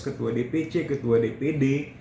ketua dpc ketua dpd